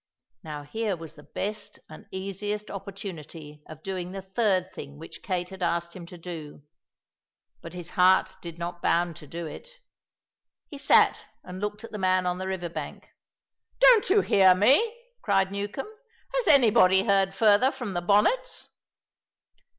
Now here was the best and easiest opportunity of doing the third thing which Kate had asked him to do; but his heart did not bound to do it. He sat and looked at the man on the river bank. "Don't you hear me?" cried Newcombe. "Has anybody heard further from the Bonnets?"